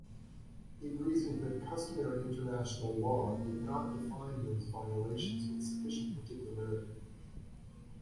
It reasoned that customary international law did not define those violations with sufficient particularity.